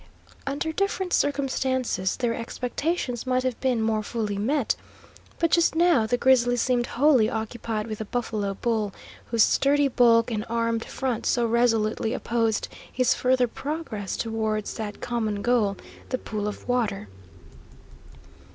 Under different circumstances their expectations might have been more fully met, but just now the grizzly seemed wholly occupied with the buffalo bull, whose sturdy bulk and armed front so resolutely opposed his further progress towards that common goal, the pool of water.